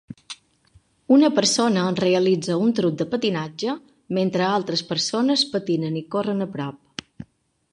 Una persona realitza un truc de patinatge mentre altres persones patinen i corren a prop.